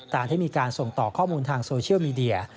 ที่มีการส่งต่อข้อมูลทางโซเชียลมีเดีย